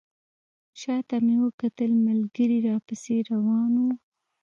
شاته مې وکتل ملګري راپسې روان وو.